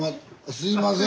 すいません